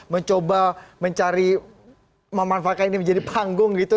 mencoba mencari memanfaatkan ini menjadi panggung gitu